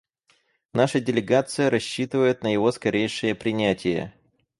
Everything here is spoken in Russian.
Наша делегация рассчитывает на его скорейшее принятие.